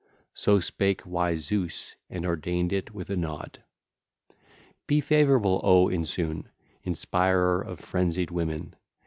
So spake wise Zeus and ordained it with a nod. (ll. 17 21) Be favourable, O Insewn, Inspirer of frenzied women!